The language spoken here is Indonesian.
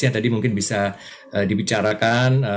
yang tadi mungkin bisa dibicarakan